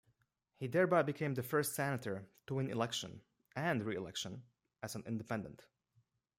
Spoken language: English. He thereby became the first senator to win election and re-election as an independent.